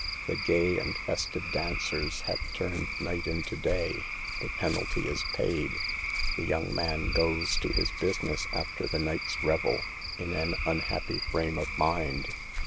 The gay and festive dancers have turned night into day; the penalty is paid. The young man goes to his business after the night's revel, in an unhappy frame of mind.